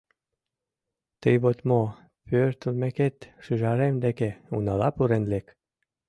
— Тый вот мо, пӧртылмекет шӱжарем деке унала пурен лек.